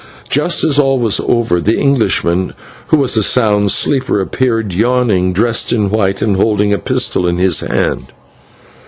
Just as all was over, the Englishman, who was a sound sleeper, appeared yawning, dressed in white, and holding a pistol in his hand.